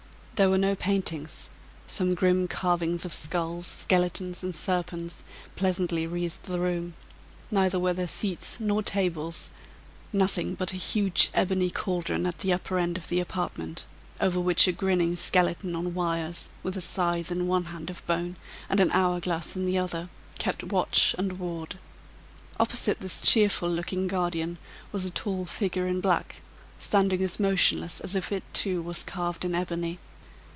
There were no paintings some grim carvings of skulls, skeletons, and serpents, pleasantly wreathed the room neither were there seats nor tables nothing but a huge ebony caldron at the upper end of the apartment, over which a grinning skeleton on wires, with a scythe in one hand of bone, and an hour glass in the other, kept watch and ward. Opposite this cheerful looking guardian, was a tall figure in black, standing an motionless as if it, too, was carved in ebony.